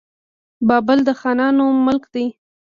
بابل د خانانو ملک دی.